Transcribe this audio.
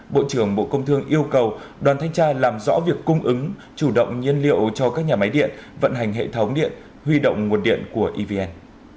bộ trưởng bộ công thương yêu cầu đoàn thanh tra làm rõ việc cung ứng chủ động nhiên liệu cho các nhà máy điện vận hành hệ thống điện huy động nguồn điện của evn